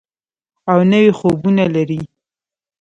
او نوي خوبونه لري.